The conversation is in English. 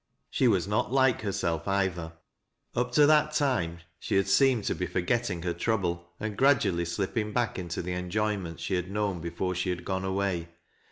She was not like herself, either, tip to that time she had seemed to be forgetting her trouble, and gradually slipping back into the enjoyments she had known before she had gone away.